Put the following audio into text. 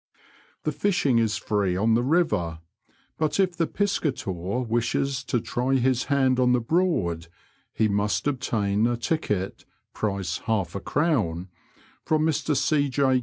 The fishing is free on the river, but if the piscator wishes to try his hand on the Broad, he must obtain a ticket (price half a crown) from Mr G. J.